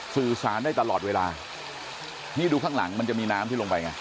สื่อสารได้ตลอดเวลานี่ดูข้างหลังมันจะมีน้ำที่ลงไปไง